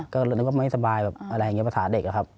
ก็นึกว่าไม่สบายแบบอะไรอย่างนี้ภาษาเด็กอะครับ